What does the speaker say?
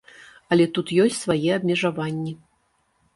Але тут ёсць свае абмежаванні.